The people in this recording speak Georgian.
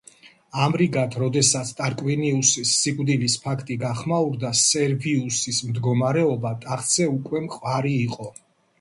ამრიგად როდესაც ტარკვინიუსის სიკვდილის ფაქტი გახმაურდა სერვიუსის მდგომარეობა ტახტზე უკვე მყარი იყო.